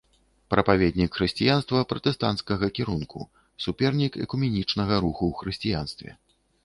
Прапаведнік хрысціянства пратэстанцкага кірунку, супернік экуменічнага руху ў хрысціянстве.